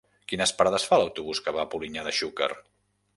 Quines parades fa l'autobús que va a Polinyà de Xúquer?